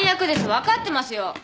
分かってますよ。